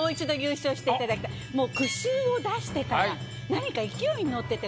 もう句集を出してから何か勢いに乗ってて。